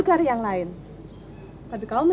sahabat mencari angkat cuci